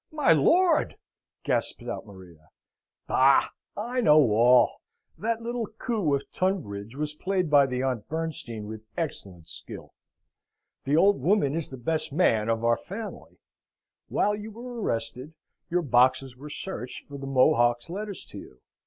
"My lord!" gasps out Maria. "Bah! I know all. That little coup of Tunbridge was played by the Aunt Bernstein with excellent skill. The old woman is the best man of our family. While you were arrested, your boxes were searched for the Mohock's letters to you.